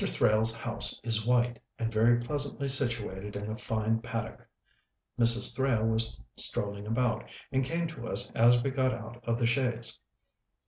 Thrale's house is white, and very pleasantly situated in a fine paddock. Mrs. Thrale was strolling about, and came to us as we got out of the chaise.